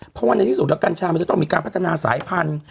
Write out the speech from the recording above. เพราะว่าในที่สุดแล้วกัญชามันจะต้องมีการพัฒนาสายพันธุ์